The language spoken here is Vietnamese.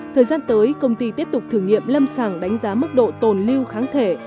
thời gian tới công ty tiếp tục thử nghiệm lâm sàng đánh giá mức độ tồn lưu kháng thể